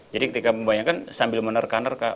jadi ketika membayangkan sambil menerkan nerkan